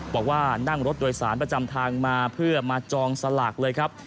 บอกว่านั่งรถโดยสารประจำทางมาเพื่อมาจองสลากเลยครับ